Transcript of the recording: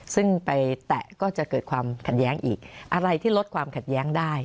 ซึ่งไปแตะก็จะเกิดความขัดแย้งอีกอะไรที่ลดความขัดแย้งได้